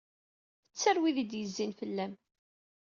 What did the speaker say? Tter wid ay d-yezzin fell-am.